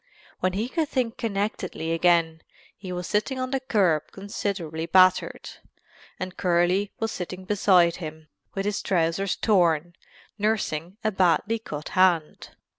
When he could think connectedly again he was sitting on the curb considerably battered and Curly was sitting beside him, with his trousers torn, nursing a badly cut hand."